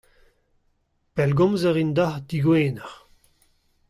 Pellgomz a rin deoc'h digwener.